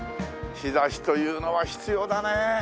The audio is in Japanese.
日差しというのは必要だね。